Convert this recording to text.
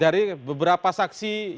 dari beberapa saksi